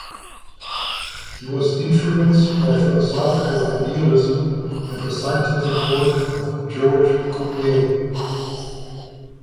He was influenced by philosophical idealism and the scientific work of Georges Cuvier.